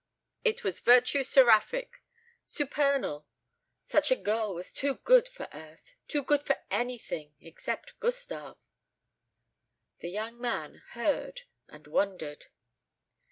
It was virtue seraphic, supernal. Such a girl was too good for earth too good for anything except Gustave. The young man heard and wondered.